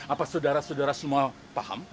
apa saudara saudara semua paham